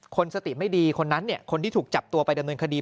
คนสติไม่ดีคนที่ถูกจับตัวไปดำเนินคดี